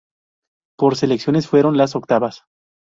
Por selecciones fueron las octavas.